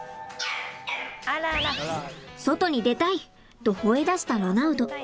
外に出たい！とほえ出したロナウド。